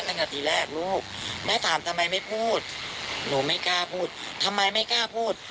ตั้งแต่ทีแรกลูกแม่ถามทำไมไม่พูดหนูไม่กล้าพูดทำไมไม่กล้าพูด